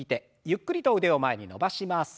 ゆっくりと腕を前に伸ばします。